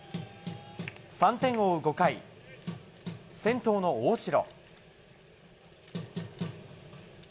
３点を追う５回、先頭の大城。